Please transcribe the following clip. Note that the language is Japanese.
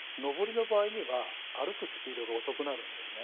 上りの場合には歩くスピードが遅くなるんですね。